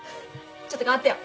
ちょっと代わってよ。